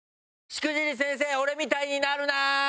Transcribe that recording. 『しくじり先生俺みたいになるな！！』！